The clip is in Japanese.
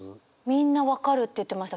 みんな「分かる」って言ってました。